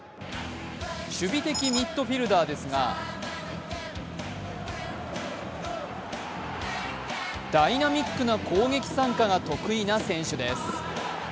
守備的ミッドフィルダーですがダイナミックな攻撃参加が得意な選手です。